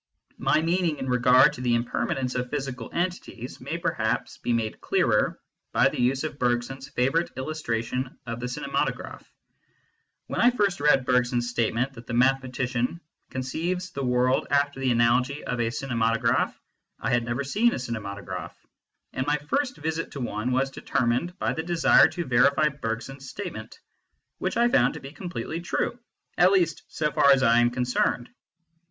My meaning in regard to the impermanence of physical entities may perhaps be made clearer by the use of Berg son s favourite illustration of the cinematograph. When I first read Bergson s statement that the mathematician conceives the world after the analogy of a cinematograph, I had never seen a cinematograph, and my first visit to one was determined by the desire to verify Bergson s statement, which I found to be completely true, at least so far as I am concerned.